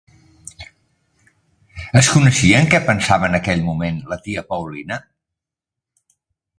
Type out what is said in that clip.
Es coneixia en què pensava en aquell moment la tia Paulina?